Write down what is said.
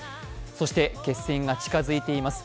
そして、決戦が近づいています